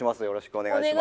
お願いします。